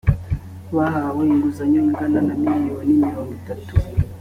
bahawe inguzanyo ingana na miliyoni mirongo itatu